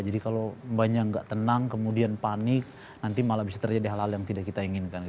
jadi kalau mbaknya tidak tenang kemudian panik nanti malah bisa terjadi hal hal yang tidak kita inginkan